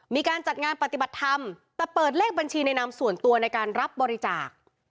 มีการจัดงานปฏิบัติธรรมแต่เปิดเลขบัญชีในนามส่วนตัวในการรับบริจาค